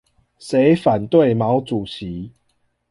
誰反對毛主席